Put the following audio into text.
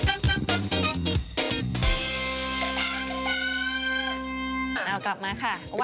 เอากลับมาค่ะว่าไปซิ